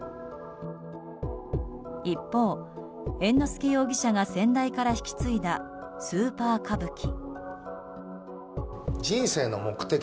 一方、猿之助容疑者が先代から引き継いだ「スーパー歌舞伎」。